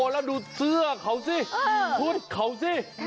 แล้วดูเสื้อเข้าซิพูดเข้าซิ